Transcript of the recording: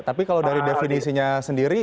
tapi kalau dari definisinya sendiri